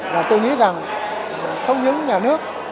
và tôi nghĩ rằng không những nhà nước